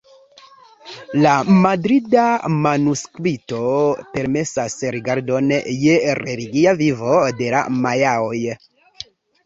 La Madrida manuskripto permesas rigardon je religia vivo de la majaoj.